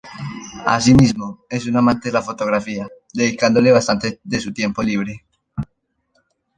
Asimismo, es un amante de la fotografía, dedicándole bastante de su tiempo libre.